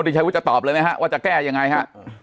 คุณยุฒิพงศ์อยากจะตอบเลยไหมฮะว่าจะแก้ยังไงฮะ